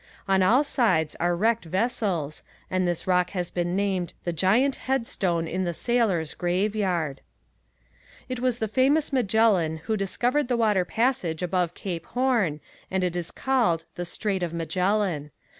On all sides are wrecked vessels and this rock has been named the Giant Headstone in the Sailor's Graveyard. It was the famous Magellan who discovered the water passage above Cape Horn and it is called the Strait of Magellan.